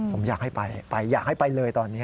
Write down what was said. ผมอยากให้ไปอยากให้ไปเลยตอนนี้